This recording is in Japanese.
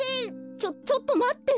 ちょちょっとまって。